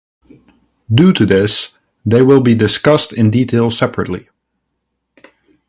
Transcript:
Due to this, they will be discussed in detail separately.